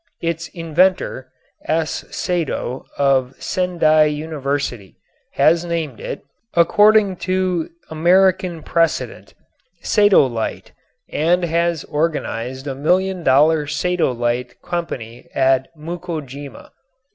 Its inventor, S. Sato, of Sendai University, has named it, according to American precedent, "Satolite," and has organized a million dollar Satolite Company at Mukojima.